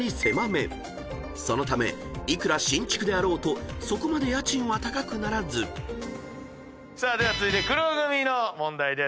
［そのためいくら新築であろうとそこまで家賃は高くならず］では続いて黒組の問題です。